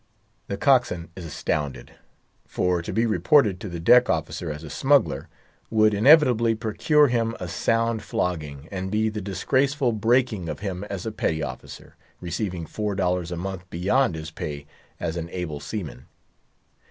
The cockswain is astounded; for, to be reported to the deck officer as a smuggler, would inevitably procure him a sound flogging, and be the disgraceful breaking of him as a petty officer, receiving four dollars a month beyond his pay as an able seaman.